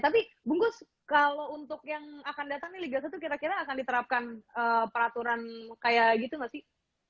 tapi bungkus kalau untuk yang akan datang nih liga satu kira kira akan diterapkan peraturan kayak gitu gak sih